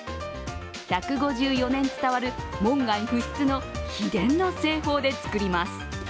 １５４年伝わる門外不出の秘伝の製法で作ります。